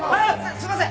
すいません。